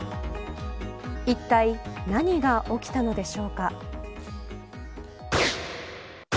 いったい何が起きたのでしょうか。